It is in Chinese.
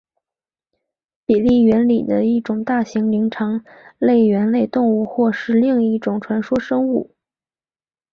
比利猿里的一种大型灵长类猿类动物或另一种传说生物。